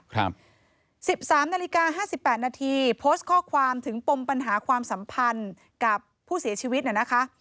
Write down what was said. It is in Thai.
๑๓นาฬิกา๕๘นาทีโพสต์ข้อความถึงปมปัญหาความสัมพันธ์กับผู้เสียชีวิตเนี่ยนะคะ